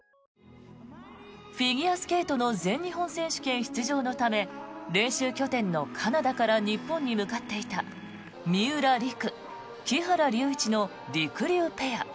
フィギュアスケートの全日本選手権出場のため練習拠点のカナダから日本に向かっていた三浦璃来、木原龍一のりくりゅうペア。